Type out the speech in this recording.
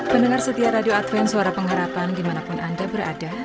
pendengar setiap radio advent suara pengharapan dimanapun anda berada